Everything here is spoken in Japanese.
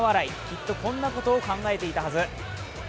きっとこんなことを考えていたはず。